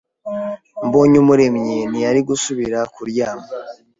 Mbonyumuremyi ntiyari gusubira kuryama.